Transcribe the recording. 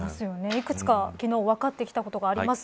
いくつか昨日分かってきたことがあります。